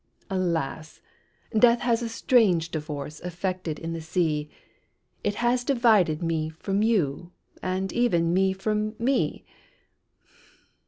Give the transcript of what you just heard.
"Alas! death has a strange divorce Effected in the sea, It has divided me from you, And even me from me!